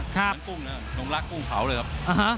เหมือนกุ้งนะครับน้องรักกุ้งเขาเลยครับ